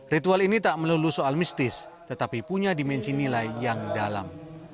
ritual ini tak melulu soal mistis tetapi punya dimensi nilai yang dalam